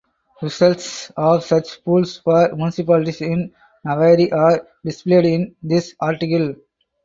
Results of such polls for municipalities in Navarre are displayed in this article.